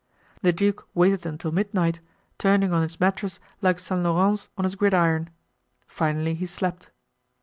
The duke waited until midnight, turning on his mattress like St. Laurence on his gridiron. Finally he slept.